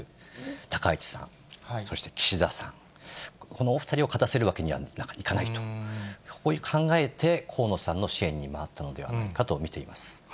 高市さん、そして岸田さん、このお２人を勝たせるわけにはいかないと、こう考えて、河野さんの支援に回ったのではないかと見ています。